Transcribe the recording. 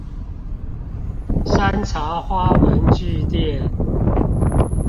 山茶花文具店